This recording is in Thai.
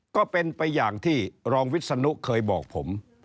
ก็เป็นไปอย่างที่รองวิศนุเคยบอกผม